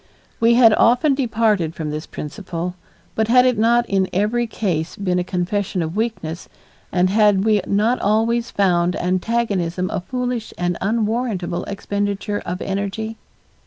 We had often departed from this principle, but had it not in every case been a confession of weakness, and had we not always found antagonism a foolish and unwarrantable expenditure of energy?